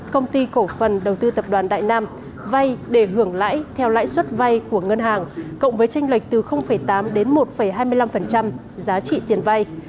công ty cổ phần đầu tư tập đoàn đại nam vay để hưởng lãi theo lãi suất vay của ngân hàng cộng với tranh lệch từ tám đến một hai mươi năm giá trị tiền vay